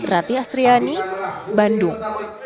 rati astriani bandung